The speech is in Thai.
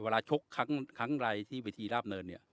เวลาชกครั้งใดที่วิธีราบเนินเนี่ย